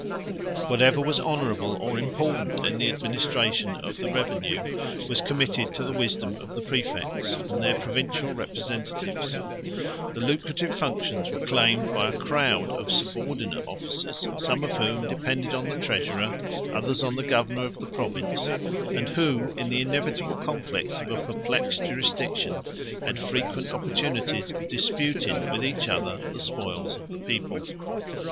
Whatever was honorable or important in the administration of the revenue, was committed to the wisdom of the præfects, and their provincia. representatives; the lucrative functions were claimed by a crowd of subordinate officers, some of whom depended on the treasurer, others on the governor of the province; and who, in the inevitable conflicts of a perplexed jurisdiction, had frequent opportunities of disputing with each other the spoils of the people.